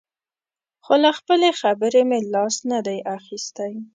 خو له خپلې خبرې مې لاس نه دی اخیستی.